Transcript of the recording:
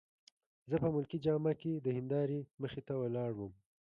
زه په ملکي جامه کي د هندارې مخې ته ولاړ وم.